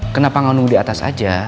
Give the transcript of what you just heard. kenapa gak nunggu di atas aja